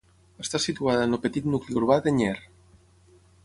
Està situada en el petit nucli urbà de Nyer.